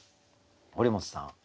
堀本さん